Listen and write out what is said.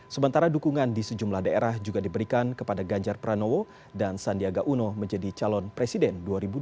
sementara dukungan di sejumlah daerah juga diberikan kepada ganjar pranowo dan sandiaga uno menjadi calon presiden dua ribu dua puluh